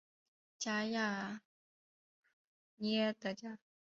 加雅涅的家。